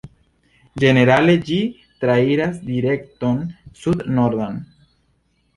Ĝenerale ĝi trairas direkton Sud-Nordan.